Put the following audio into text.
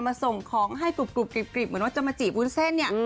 มาส่งของให้กรุบกริบเหมือนว่าจะมาจีบวุ้นเส้นเนี่ย